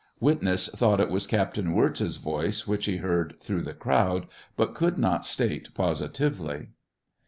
Witness thought it was Captain Wirz's voice which he heard through the crowd, but could not state positively.